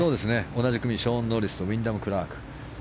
同じ組にショーン・ノリスとウィンダム・クラーク。